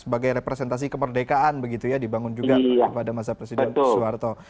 sebagai representasi kemerdekaan begitu ya dibangun juga pada masa presiden soeharto